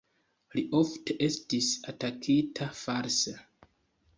Li ofte estis atakita false.